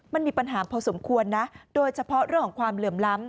มันมีปัญหาพอสมควรนะโดยเฉพาะเรื่องของความเหลื่อมล้ำ